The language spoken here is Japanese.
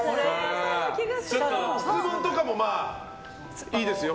質問とかもいいですよ。